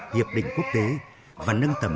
hiệp định quốc tế và nâng tầm